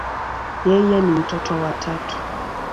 Yeye ni mtoto wa tatu.